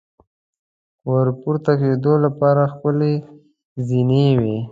ور پورته کېدو لپاره ښکلې زینې وې.